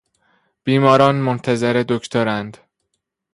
بیماران منتظر دکتراند.